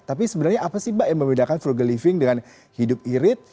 tapi sebenarnya apa sih mbak yang membedakan frugal living dengan hidup irit